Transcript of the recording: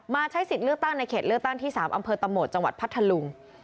ใช้สิทธิ์เลือกตั้งในเขตเลือกตั้งที่๓อำเภอตะโหมดจังหวัดพัทธลุง